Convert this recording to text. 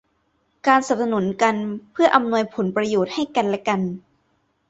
การสนับสนุนกันเพื่ออำนวยผลประโยชน์ให้กันและกัน